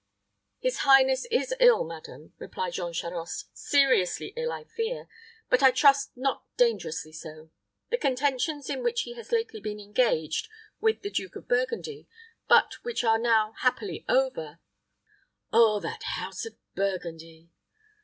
"His highness is ill, madam," replied Jean Charost, "seriously ill, I fear; but I trust not dangerously so. The contentions in which he has lately been engaged with the Duke of Burgundy, but which are now happily over " "Oh, that house of Burgundy!